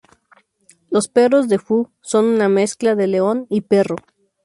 Los perros de Fu son una mezcla de león y perro.